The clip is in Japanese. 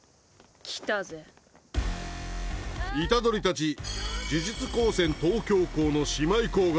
虎杖たち呪術高専東京校の姉妹校が。